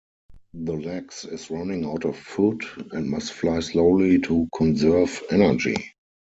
The Lexx is running out of food and must fly slowly to conserve energy.